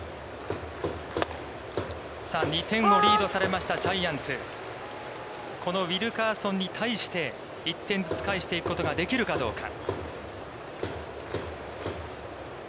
２点をリードされましたジャイアンツ、このウィルカーソンに対して１点ずつ返していくことができるかどうか。